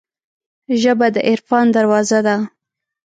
ژبه د عرفان دروازه ده